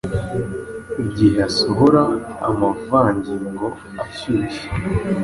igihe asohora amavangingo ashyushye